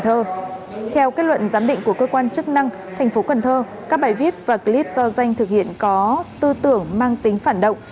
theo kết luận giám định của cơ quan chức năng tp cn các bài viết và clip do danh thực hiện có tư tưởng mang tính phản động